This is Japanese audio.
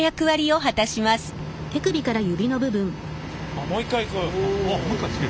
あっもう一回いく。